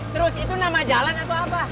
terus itu nama jalan atau apa